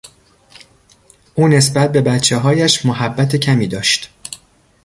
او نسبت به بچههایش محبت کمی داشت.